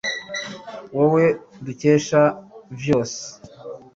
wewe dukesha vyose